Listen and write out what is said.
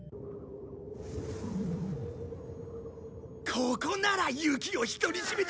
ここなら雪を独り占めだ！